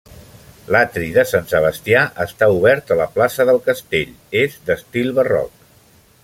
L'atri de sant Sebastià està obert a la plaça del Castell, és d'estil barroc.